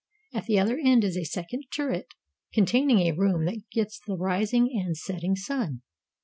At the other end is a second turret, containing a room that gets the rising and setting sun.